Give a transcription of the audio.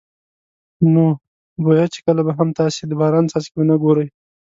نو بویه چې کله به هم تاسې د باران څاڅکي ونه ګورئ.